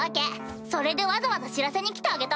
それでわざわざ知らせに来てあげたのよ。